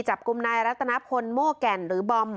จับกลุ่มนายรัตนพลโม่แก่นหรือบอม